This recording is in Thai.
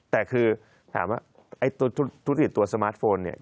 แต่ถามว่าธุรกิจตัวสมาร์ทโฟน